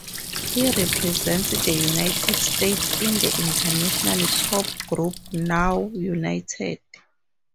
He represents the United States in the international pop group Now United.